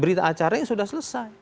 berita acara yang sudah selesai